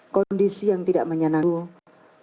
kondisi yang tidak menyenangkan